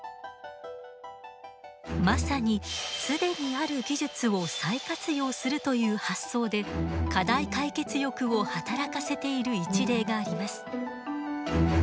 まさに既にある技術を再活用するという発想で課題解決欲を働かせている一例があります。